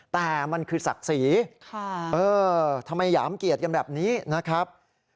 แต่มันคือศักดิ์ศรีทำไมหยามเกียรติกันแบบนี้นะครับ